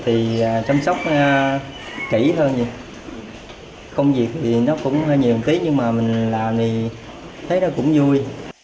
thì chăm sóc kỹ hơn công việc thì nó cũng nhiều tí nhưng mà mình làm thì thấy nó cũng vui